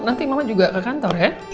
nanti mama juga ke kantor ya